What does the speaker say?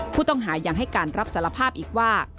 ผู้ต้องหายังให้การรับสารภาพอีกว่า